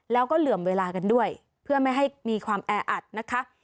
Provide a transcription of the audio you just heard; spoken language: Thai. แล้วก็เหลื่อมเวลากันด้วยเพื่อไม่ให้มีความแออัดนะคะ